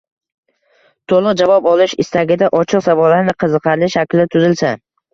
To‘liq javob olish istagida ochiq savollarni qiziqarli shaklda tuzilsa